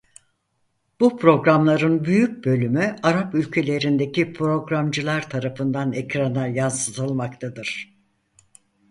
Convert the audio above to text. Bu programların büyük bölümü Arap ülkelerindeki programcılar tarafından ekrana yansıtılmaktadır.